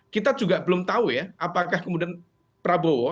kita juga belum tahu ya apakah kemudian prabowo